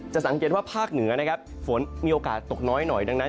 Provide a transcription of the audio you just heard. สังเกตว่าภาคเหนือนะครับฝนมีโอกาสตกน้อยหน่อยดังนั้น